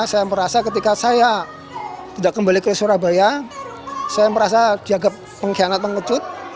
saya merasa ketika saya tidak kembali ke surabaya saya merasa dianggap pengkhianat mengejut